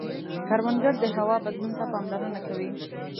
کروندګر د هوا بدلون ته پاملرنه کوي